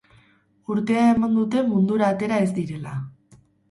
Urtea eman dute mundura atera ez direla.